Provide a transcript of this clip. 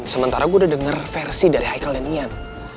sementara gue udah denger versi dari haichael dan ian